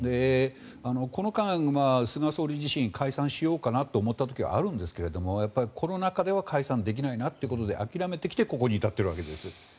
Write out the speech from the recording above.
この間、菅総理自身解散しようかなと思った時はあるんですけどコロナ禍では解散できないなということで諦めてきてここに至っているわけです。